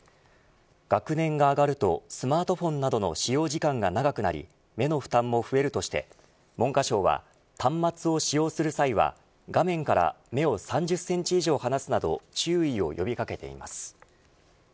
学年が上がるとスマートフォンなどの使用時間が長くなり目の負担も増えるとして文科省は端末を使用する際は画面から目を３０センチ以上離すなど注意を呼び掛けています。